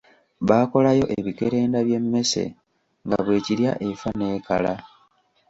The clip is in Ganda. Baakolayo ebikerenda by'emmese nga bwekirya efa n'ekala.